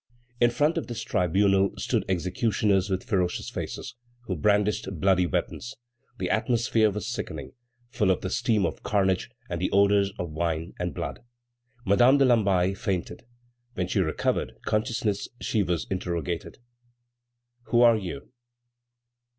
In front of this tribunal stood executioners with ferocious faces, who brandished bloody weapons. The atmosphere was sickening: full of the steam of carnage, and the odors of wine and blood. Madame de Lamballe fainted. When she recovered consciousness she was interrogated: "Who are you?"